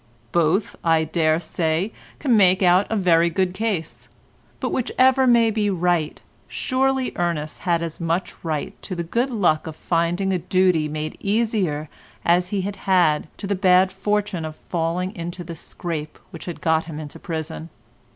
Both, I daresay, can make out a very good case, but whichever may be right surely Ernest had as much right to the good luck of finding a duty made easier as he had had to the bad fortune of falling into the scrape which had got him into prison.